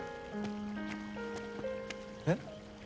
えっ？